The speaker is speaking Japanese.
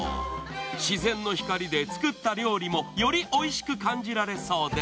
自然の光で作った料理もよりおいしく感じられそうです。